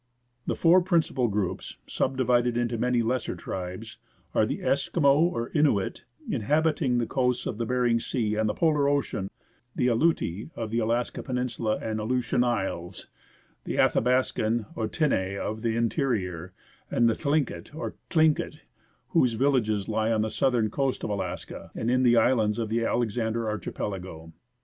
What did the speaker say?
The four principal groups, subdivided into many lesser tribes, are the Eskimo or Innuit, inhabiting the coasts of Behring Sea and the Polar Ocean ; the Aleuti, of the Alaskan peninsula and Aleutian Isles ; the Athabaskan or Tinneh, of the interior ; and the Thlinket or Tlingit, whose villages lie on the southern coast of Alaska and in the islands of the Alexander Archipelago.